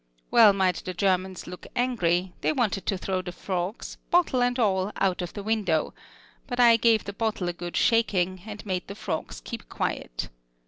Well might the Germans look angry: they wanted to throw the frogs, bottle and all, out of the window; but I gave the bottle a good shaking, and made the frogs keep quiet.